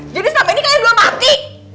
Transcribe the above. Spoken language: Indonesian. jadi selama ini kalian berdua mati